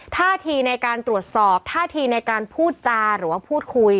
ท่าทีในการตรวจสอบท่าทีในการพูดจาหรือว่าพูดคุย